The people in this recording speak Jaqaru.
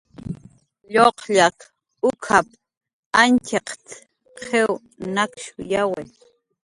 "Luqllaq uk""ap"" Antxqit"" qiw nakshuyawi"